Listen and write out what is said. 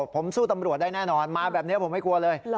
ผมสู้ตำรวจได้แน่นอนมาแบบนี้ผมไม่กลัวเลย